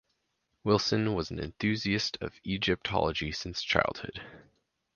Wilson was an enthusiast of Egyptology since childhood.